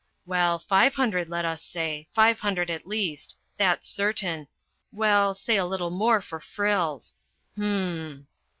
Well, five hundred, let us say, five hundred at least ... that's certain; well, say a little more for frills. H'm